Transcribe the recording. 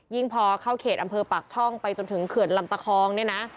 พอเข้าเขตอำเภอปากช่องไปจนถึงเขื่อนลำตะคองเนี่ยนะ